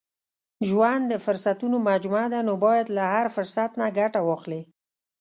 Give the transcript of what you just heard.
• ژوند د فرصتونو مجموعه ده، نو باید له هر فرصت نه ګټه واخلې.